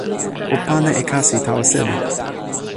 o pana e kasi tawa seli.